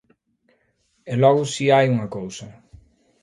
E logo si hai unha cousa.